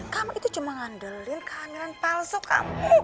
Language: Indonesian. kamu itu cuma ngandelin kehamilan palsu kamu